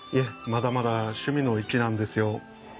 まだまだ趣味の域なんですよ。